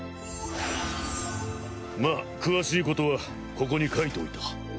まあ詳しいことはここに書いといた。